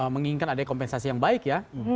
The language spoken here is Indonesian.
menginginkan ada kompensasi yang baik ya